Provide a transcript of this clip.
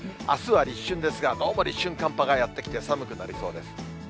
あすは立春ですがどうも立春寒波がやって来て、寒くなりそうです。